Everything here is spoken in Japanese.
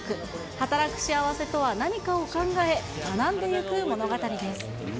働く幸せとは何かを考え、学んでいく物語です。